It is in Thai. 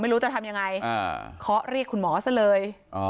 ไม่รู้จะทำยังไงเคาะเรียกคุณหมอซะเลย